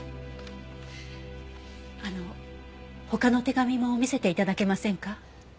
あの他の手紙も見せて頂けませんか？